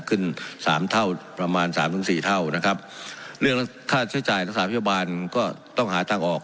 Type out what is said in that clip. ขึ้นสามเท่าประมาณสามถึงสี่เท่านะครับเรื่องค่าใช้จ่ายรักษาพยาบาลก็ต้องหาทางออก